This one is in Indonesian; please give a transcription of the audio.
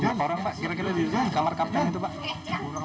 berapa orang pak kira kira di kamar kartel itu pak